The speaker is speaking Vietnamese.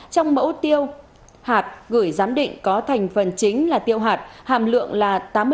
trong mẫu tiêu hạt gửi giám định có thành phần chính là tiêu hạt hàm lượng là tám mươi một sáu mươi sáu